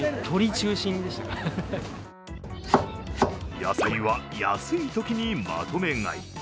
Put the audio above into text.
野菜は安いときにまとめ買い。